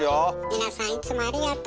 皆さんいつもありがとう。